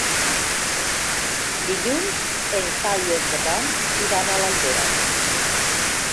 Dilluns en Cai i en Ferran iran a l'Aldea.